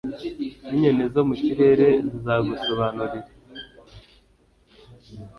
n'inyoni zo mu kirere zizagusobanurire